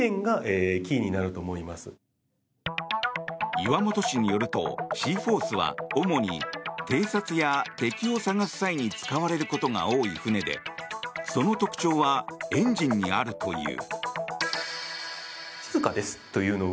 岩本氏によるとシーフォースは主に、偵察や敵を探す際に使われることが多い船でその特徴はエンジンにあるという。